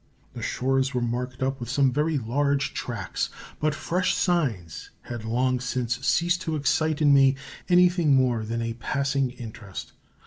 The shores were marked up with some very large tracks, but fresh signs had long since ceased to excite in me anything more than a passing interest.